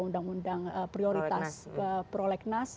undang undang prioritas prolegnas